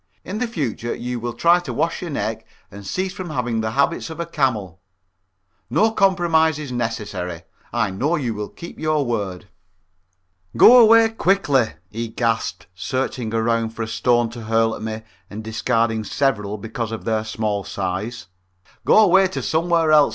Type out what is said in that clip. In the future you will try to wash your neck and cease from having the habits of a camel. No compromise is necessary. I know you will keep your word." "Go away quickly," he gasped, searching around for a stone to hurl at me, and discarding several because of their small size. "Go away to somewhere else.